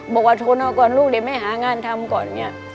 บอกว่าทนเอาก่อนลูกเดี๋ยวแม่หางานทำก่อนเนี่ย